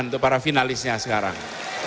untuk para finalisnya sekarang